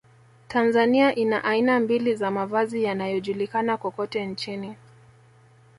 Tanzania ina aina mbili za mavazi yanayojulikana kokote nchini